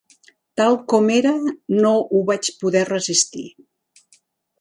Tal com era no ho vaig poder resistir.